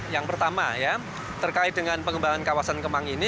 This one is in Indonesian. yang pertama ya terkait dengan pengembangan kawasan kemang ini